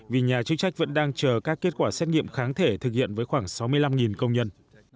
vì nhà chức trách vẫn đang chờ các kết quả xét nghiệm kháng thể thực hiện với khoảng sáu mươi năm công nhân